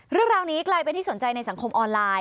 เรื่องราวนี้กลายเป็นที่สนใจในสังคมออนไลน์